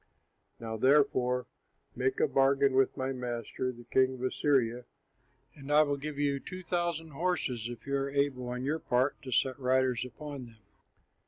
Now therefore make a bargain with my master, the king of Assyria, and I will give you two thousand horses, if you are able on your part to set riders upon them.